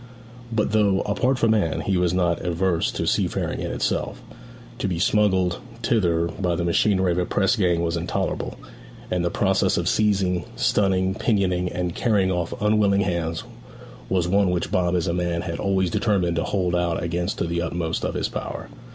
But though, apart from Anne, he was not averse to seafaring in itself, to be smuggled thither by the machinery of a press gang was intolerable; and the process of seizing, stunning, pinioning, and carrying off unwilling hands was one which Bob as a man had always determined to hold out against to the utmost of his power.